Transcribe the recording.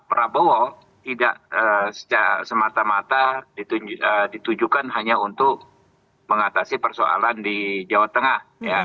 prabowo tidak semata mata ditujukan hanya untuk mengatasi persoalan di jawa tengah